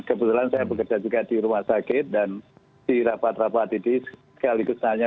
kebetulan saya bekerja juga di rumah sakit dan di rapat rapat ini sekaligus nanya